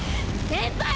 先輩！